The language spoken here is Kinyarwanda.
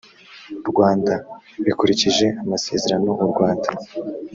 rwanda bikurikije amasezerano u rwanda